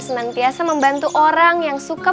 senantiasa membantu orang yang suka